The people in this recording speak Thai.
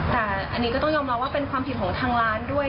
แต่อันนี้ก็ต้องยอมรับว่าเป็นความผิดของทางร้านด้วย